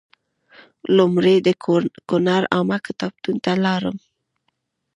لومړی د کونړ عامه کتابتون ته لاړم.